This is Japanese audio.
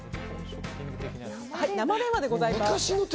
生電話でございます。